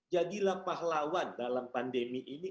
jadilah pahlawan dalam pandemi ini